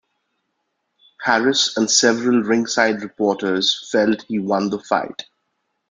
Harris and several ringside reporters felt he won the fight.